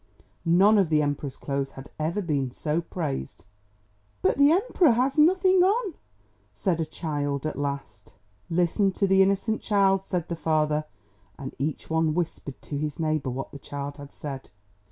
None of the Emperor's clothes had ever been so praised. "But the Emperor has nothing on!" said a child at last. "Listen to the innocent child!" said the father, and each one whispered to his neighbour what the child had said.